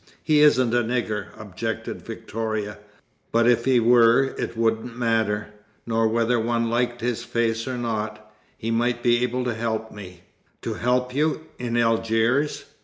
"He isn't a nigger," objected Victoria. "But if he were, it wouldn't matter nor whether one liked his face or not. He might be able to help me." "To help you in Algiers?"